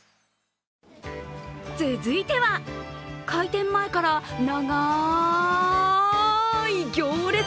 続いては、開店前から長い行列。